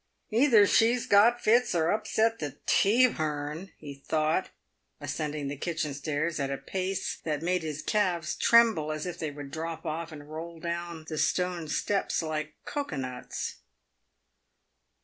"Either she's got fits or upset the tea hum," he thought, ascending the kitchen stairs at a pace that made his calves tremble as if they would drop off and roll down the stone steps like cocoa nuts.